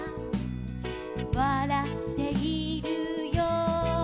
「わらっているよ」